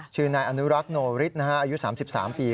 ชื่อนายอนุรักษ์โนฤทธิ์อายุ๓๓ปี